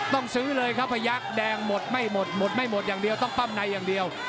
ต้องซื้อเลยครับพยักษ์แดงหมดไม่หมดหมดไม่หมดอย่างเดียวต้องปั้มในอย่างเดียว